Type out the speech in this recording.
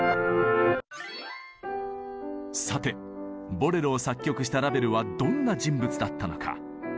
さて「ボレロ」を作曲したラヴェルはどんな人物だったのか。